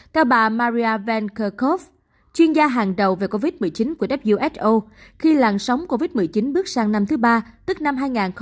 theo bà maria van kerkhove chuyên gia hàng đầu về covid một mươi chín của who khi làn sóng covid một mươi chín bước sang năm thứ ba tức năm hai nghìn hai mươi hai